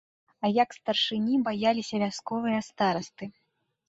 А як старшыні баяліся вясковыя старасты!